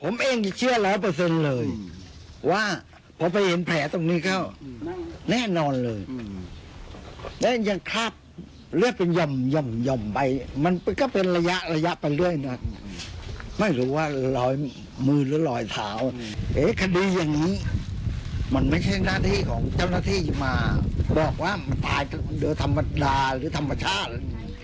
มันไม่ใช่หน้าที่ของเจ้าหน้าที่อยู่มาบอกว่ามันตายโดยธรรมดาหรือธรรมชาติ